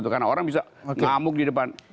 karena orang bisa ngamuk di depan